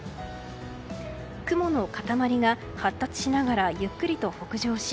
雲の塊が発達しながらゆっくりと北上し